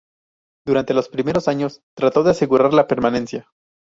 Durante los primeros años trató de asegurar la permanencia.